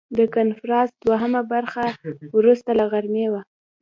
د کنفرانس دوهمه برخه وروسته له غرمې وه.